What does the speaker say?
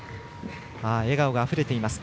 笑顔があふれています。